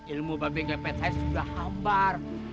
ilmu babi ngepet saya sudah hambar